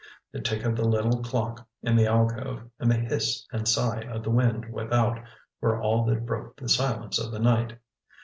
The tick of the little clock in the alcove, and the hiss and sigh of the wind without, were all that broke the silence of the night.